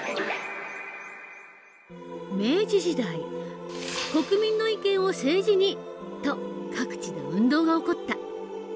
明治時代「国民の意見を政治に！」と各地で運動が起こった。